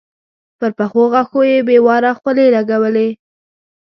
پر پخو غوښو يې بې واره خولې لګولې.